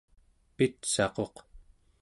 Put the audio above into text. pitsaquq